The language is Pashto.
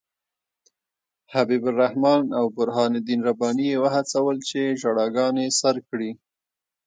حبیب الرحمن او برهان الدین رباني یې وهڅول چې ژړاګانې سر کړي.